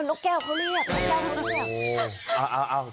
นกแก้วเค้าเรียก